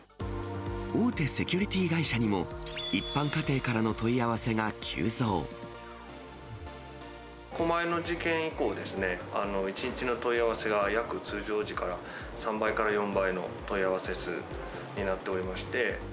大手セキュリティ会社にも、狛江の事件以降ですね、１日の問い合わせが、約、通常時から３倍から４倍の問い合わせ数になっておりまして。